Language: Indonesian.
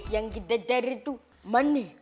yang kita cari itu money